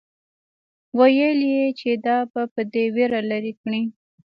ويل يې چې دا به دې وېره لري کړي.